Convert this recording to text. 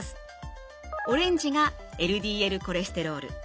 オレンジがＬＤＬコレステロール。